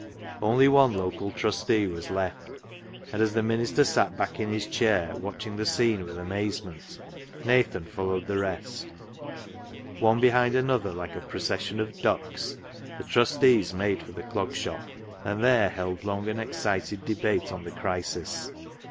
Only one local Trustee was left ; and as the minister sat back in his chair, watching the scene with amazement, Nathan followed the rest. One behind another, like a procession of ducks, the Trustees made for the Clog Shop, and there held long and excited debate on the crisis.